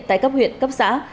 tại cấp huyện cấp xã